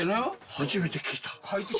初めて聞いた。